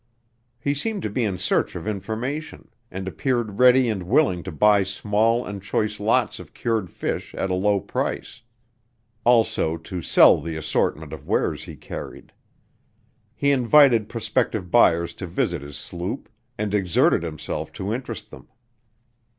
He seemed to be in search of information, and appeared ready and willing to buy small and choice lots of cured fish at a low price; also to sell the assortment of wares he carried. He invited prospective buyers to visit his sloop, and exerted himself to interest them.